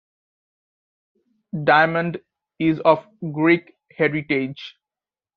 Diamond is of Greek heritage.